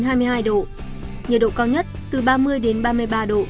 nhiệt độ cao nhất từ ba mươi đến ba mươi ba độ